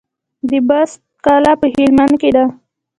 د بست کلا په هلمند کې ده